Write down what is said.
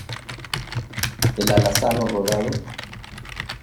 ¿ el alazano rodado?